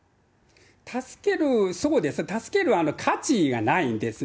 助ける、そうですね、助ける価値がないんですね。